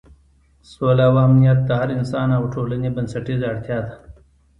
سوله او امنیت د هر انسان او ټولنې بنسټیزه اړتیا ده.